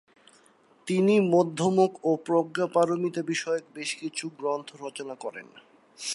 তিনি মধ্যমক ও প্রজ্ঞাপারমিতা বিষয়ক বেশ কিছু গ্রন্থ রচনা করেন।